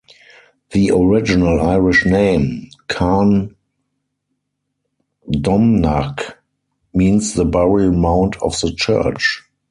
The original Irish name, "Carn Domhnach", means the burial mound of the church.